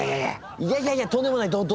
いやいやいやとんでもないどうぞ。